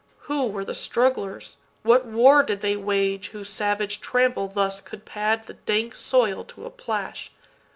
Who were the strugglers, what war did they wageWhose savage trample thus could pad the dankSoil to a plash?